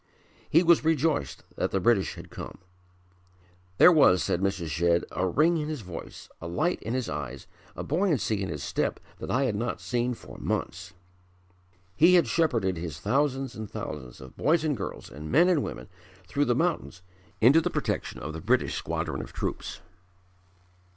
He was rejoiced that the British had come. "There was," said Mrs. Shedd, "a ring in his voice, a light in his eyes, a buoyancy in his step that I had not seen for months." He had shepherded his thousands and thousands of boys and girls, and men and women through the mountains into the protection of the British squadron of troops.